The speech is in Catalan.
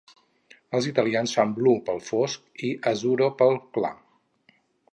Els italians fan "blu" pel fosc i "azzuro" pel clar.